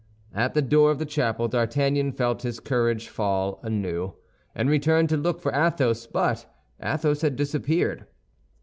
At the door of the chapel D'Artagnan felt his courage fall anew, and returned to look for Athos; but Athos had disappeared.